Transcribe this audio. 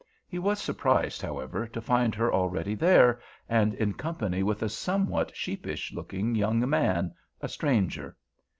He was surprised, however, to find her already there, and in company with a somewhat sheepish looking young man—a stranger.